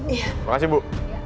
terima kasih bu